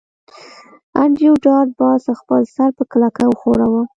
انډریو ډاټ باس خپل سر په کلکه وښوراوه